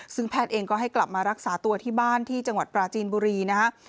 ซึ่งแพทย์เองก็ให้กลับมารักษาตัวที่บ้านที่จังหวัดปราจีนบุรีนะฮะ